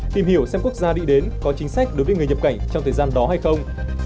tìm hiểu xem quốc gia đi đến có chính sách đối với người nhập cảnh trong thời gian đó hay không